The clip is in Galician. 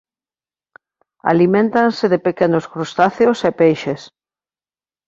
Aliméntanse de pequenos crustáceos e peixes.